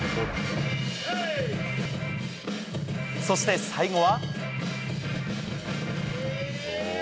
そして、最後は。